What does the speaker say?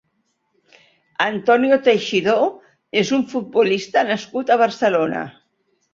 Antonio Teixidó és un futbolista nascut a Barcelona.